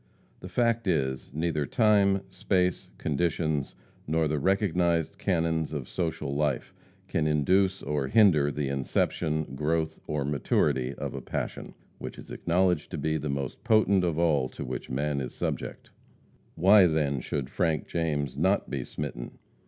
The fact is, neither time, space, conditions, nor the recognized canons of social life, can induce or hinder the inception, growth, or maturity of a passion, which is acknowledged to be the most potent of all to which man is subject. Why, then, should Frank James not be smitten?